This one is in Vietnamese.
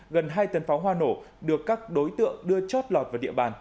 gần hai tấn pháo hoa nổ được các đối tượng đưa chót lọt vào địa bàn